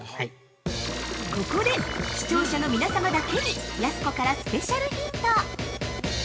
◆ここで、視聴者の皆様だけにやす子からスペシャルヒント！